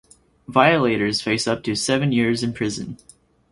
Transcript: Violators face up to seven years in prison.